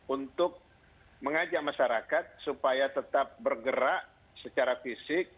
untuk mengajak masyarakat supaya tetap bergerak secara fisik